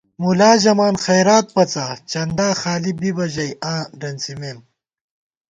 مُلا ژَمان خیرات پَڅا، چندا خالی بِبہ ژَئی آں ڈنڅِمېم